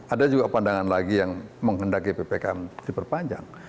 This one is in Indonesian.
ada juga pandangan lagi yang menghendaki ppkm diperpanjang